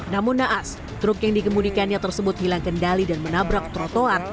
namun naas truk yang dikemudikannya tersebut hilang kendali dan menabrak trotoar